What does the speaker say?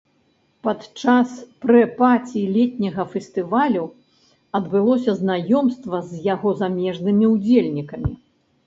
Падчас прэ-паці летняга фестывалю адбылося знаёмства з яго замежнымі ўдзельнікамі.